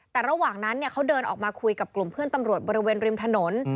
แต่ระหว่างนั้นเขาเดินออกมาคุยกับกลุ่มเพื่อนตำรวจบริเวณริมถนน